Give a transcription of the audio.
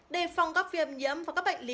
để phòng các viêm nhiễm và các bệnh lý